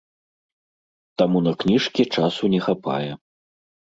Таму на кніжкі часу не хапае.